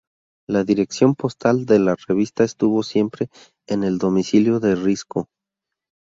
La dirección postal de la revista estuvo siempre en el domicilio de Risco.